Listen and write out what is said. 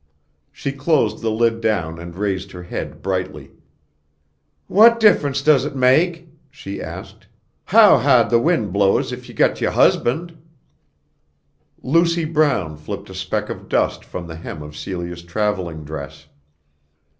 She closed the lid down and raised her head brightly. "Whut diffunce does it maik?" she asked, "how ha'd the wind blows if you've got youah husband?" Lucy Brown flipped a speck of dust from the hem of Celia's travelling dress.